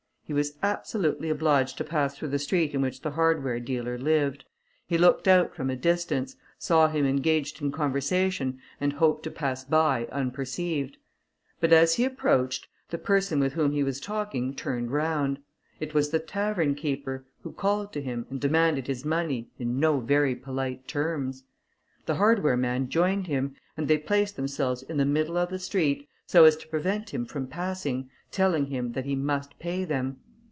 He was absolutely obliged to pass through the street in which the hardware dealer lived; he looked out from a distance, saw him engaged in conversation, and hoped to pass by unperceived. But as he approached, the person with whom he was talking turned round. It was the tavern keeper, who called to him, and demanded his money, in no very polite terms. The hardware man joined him, and they placed themselves in the middle of the street, so as to prevent him from passing, telling him that he must pay them.